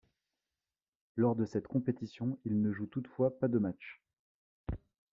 Lors de cette compétition, il ne joue toutefois pas de matchs.